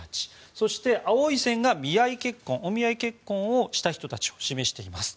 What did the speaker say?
そして青い線がお見合い結婚をした人たちを示しています。